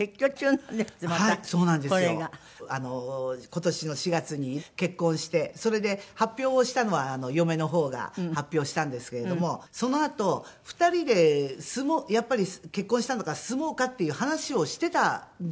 今年の４月に結婚してそれで発表をしたのは嫁の方が発表したんですけれどもそのあと２人で住もうやっぱり結婚したんだから住もうかっていう話をしてたんですね２人は。